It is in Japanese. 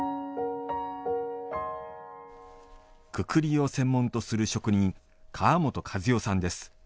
くくりを専門とする職人川本和代さんです。